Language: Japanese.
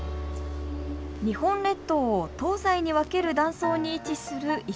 日本列島を東西に分ける断層に位置する糸魚川。